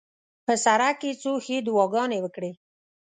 په سر کې یې څو ښې دعاګانې وکړې.